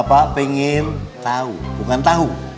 pengen tahu bukan tahu